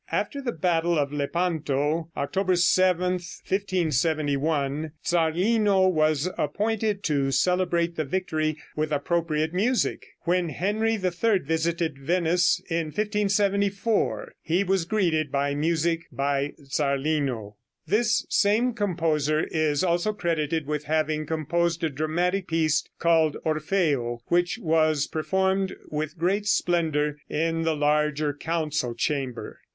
After the battle of Lepanto, October 7, 1571, Zarlino was appointed to celebrate the victory with appropriate music. When Henry III visited Venice, in 1574, he was greeted by music by Zarlino. This same composer is also credited with having composed a dramatic piece called Orpheo, which was performed with great splendor in the larger council chamber.